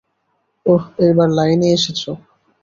ওহ, এইবার লাইনে এসেছ।